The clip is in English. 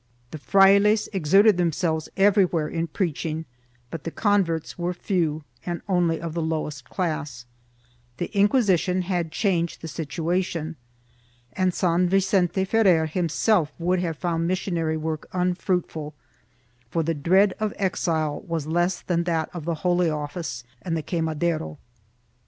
1 The frailes exerted themselves everywhere in preaching, but the converts were few and only of the lowest class ; the Inquisition had changed the situation and San Vicente Ferrer himself would have found missionary work unfruitful, for the dread of exile was less than that of the Holy Office and the quemadero.